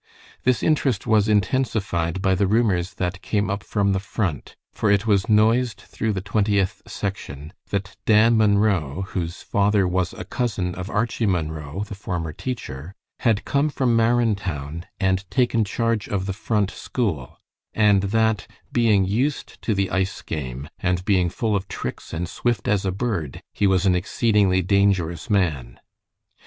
This interest was intensified by the rumors that came up from the Front, for it was noised through the Twentieth section that Dan Munro, whose father was a cousin of Archie Munro, the former teacher, had come from Marrintown and taken charge of the Front school, and that, being used to the ice game, and being full of tricks and swift as a bird, he was an exceedingly dangerous man.